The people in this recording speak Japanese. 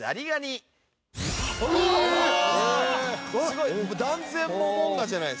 すごい！